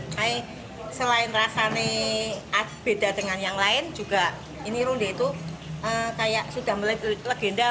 tapi selain rasanya beda dengan yang lain juga ini runde itu kayak sudah melek legenda